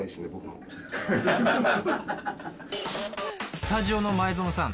スタジオの前園さん